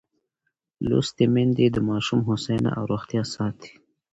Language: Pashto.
لوستې میندې د ماشوم هوساینه او روغتیا ساتي.